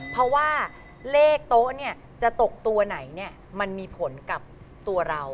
เพราะว่าเลขโต๊ะจะตกตัวไหนมันมีผลกับตัวเรา